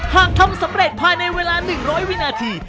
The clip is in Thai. หากทำสำเร็จภายในเวลา๑๐๐วินาที